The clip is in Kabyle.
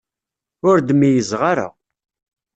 Ur d-meyyzeɣ ara.